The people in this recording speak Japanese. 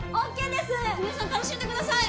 皆さん楽しんでください！